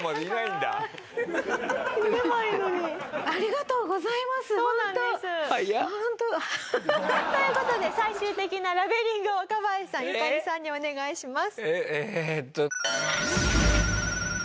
という事で最終的なラベリングを若林さんユカリさんにお願いします。